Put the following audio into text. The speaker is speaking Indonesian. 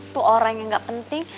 itu orang yang gak penting